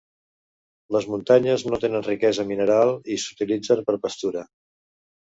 Les muntanyes no tenen riquesa mineral i s'utilitzen per pastura.